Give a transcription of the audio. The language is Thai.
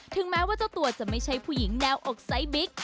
แม้ว่าเจ้าตัวจะไม่ใช่ผู้หญิงแนวอกไซส์บิ๊ก